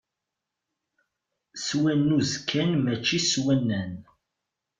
S wannuz kan mačči s wannen!